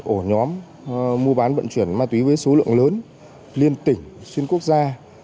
ổ nhóm mua bán vận chuyển ma túy với số lượng lớn liên tỉnh xuyên quốc gia